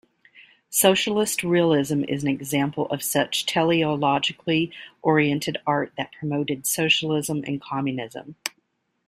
Socialist realism is an example of such teleologically-oriented art that promoted socialism and communism.